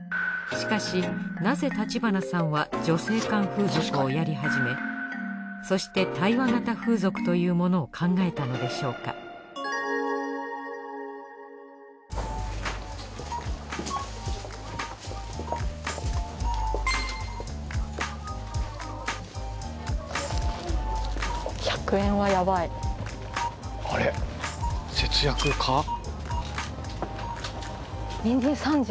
しかしなぜ橘さんは女性間風俗をやり始めそして対話型風俗というものを考えたのでしょうかあれ節約家？